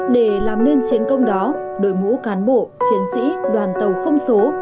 để làm nên chiến công đó đội ngũ cán bộ chiến sĩ đoàn tàu không số